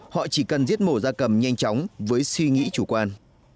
họ chỉ cần giết mổ da cầm nhanh chóng với suy nghĩ chủ quan